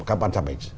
các ban tham hành